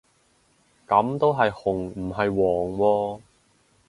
噉都係紅唔係黃喎